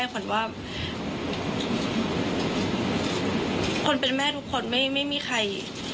หลังจากว่ามันคนเป็นแม่ทุกคนไม่ไม่มีใคร